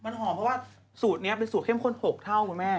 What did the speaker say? มันหอมเพราะว่าสูตรนี้เป็นสูตรเข้มข้น๖เท่าคุณแม่